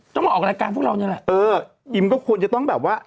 ต้องมาออกรายการพวกเรานี่แหละเอออิมก็ควรจะต้องแบบว่า